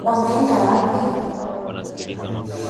Wameenda wapi?